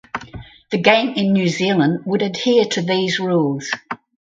The game in New Zealand would adhere to these rules.